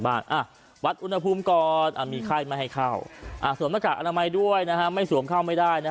อาสวมด้ากากอาณามัยด้วยนะครับไม่สวมเข้าก็ไม่ได้